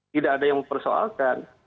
tidak ada yang mempersoalkan